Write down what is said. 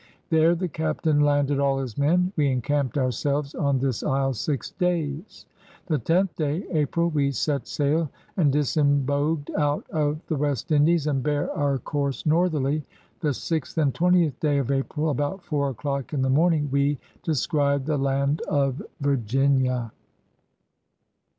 There the Captaine landed all his men. ••• We incamped ourselves on this He six days. ... The tenth day [April] we set saile and disimboged out of the West Indies and bare our course Nordierly. ... The six and twentieth day of Aprill, about foure a docke in the 'morning, wee de scried the Land of Virginia.'